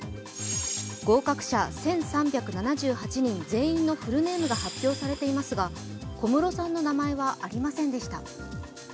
合格者１３７８人全員のフルネームが発表されていますが、小室さんの名前はありませんでした。